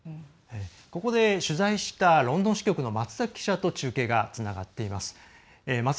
ここで取材したロンドン支局の松崎記者と中継がつながっています。